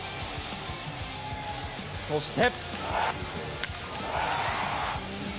そして。